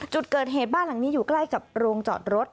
จุดเกิดเหตุบ้านหลังนี้อยู่ใกล้กับโรงจอดรถ